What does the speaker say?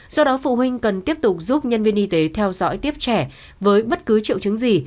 do đó phụ huynh cần tiếp tục giúp nhân viên y tế theo dõi tiếp trẻ với bất cứ triệu chứng gì